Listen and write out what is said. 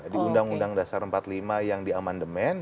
di undang undang dasar empat puluh lima yang di amandemen